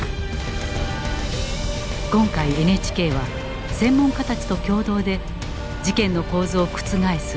今回ＮＨＫは専門家たちと共同で事件の構図を覆す数々の機密資料を発掘。